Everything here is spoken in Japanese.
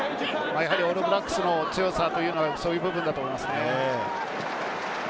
オールブラックスの強さはそういう部分だと思います。